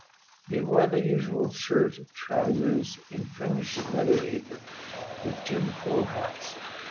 They wore the usual shirt, trousers, and fringed leather apron, with jim crow hats.